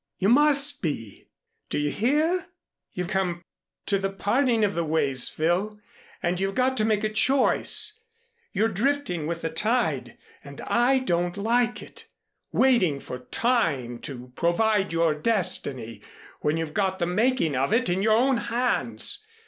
You must be. Do you hear? You've come to the parting of the ways, Phil, and you've got to make a choice. You're drifting with the tide, and I don't like it, waiting for Time to provide your Destiny when you've got the making of it in your own hands.